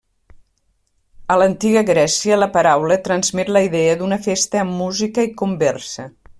A l'antiga Grècia la paraula transmet la idea d'una festa amb música i conversa.